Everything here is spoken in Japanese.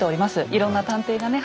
いろんな探偵がね